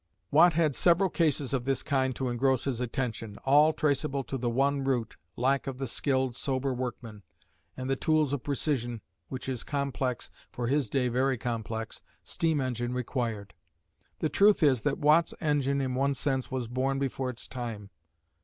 Watt had several cases of this kind to engross his attention, all traceable to the one root, lack of the skilled, sober workmen, and the tools of precision which his complex (for his day, very complex) steam engine required. The truth is that Watt's engine in one sense was born before its time.